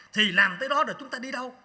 thì làm tới đó là chúng ta đi đâu